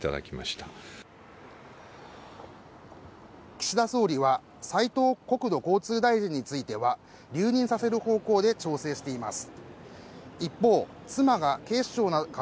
岸田総理は斉藤国土交通大臣については留任させる方向で調整しています